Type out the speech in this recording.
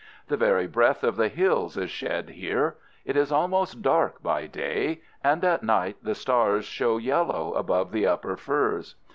The very breath of the hills is shed here. It is almost dark by day, and at night the stars show yellow above the upper firs.